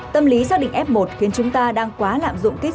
tâm lý xác định f một khiến chúng ta đang quá lạm dụng